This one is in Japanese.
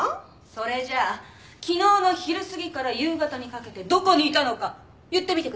それじゃ昨日の昼過ぎから夕方にかけてどこにいたのか言ってみてください。